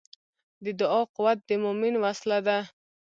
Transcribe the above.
د دعا قوت د مؤمن وسله ده.